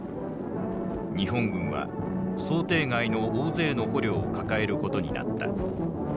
日本軍は想定外の大勢の捕虜を抱えることになった。